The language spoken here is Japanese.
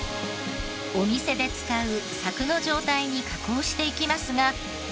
お店で使うさくの状態に加工していきますが